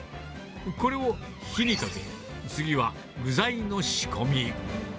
これを火にかけ、次は具材の仕込み。